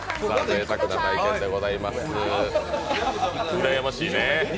うらやましいねえ。